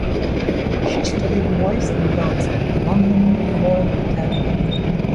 She studied voice and dance at the London Royal Academy.